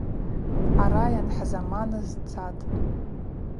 Хӏара йанхӏзаманыз цатӏ.